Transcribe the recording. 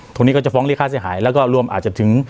ตรงนี้ก็จะฟ้องเรียกค่าเสียหายแล้วก็รวมอาจจะถึง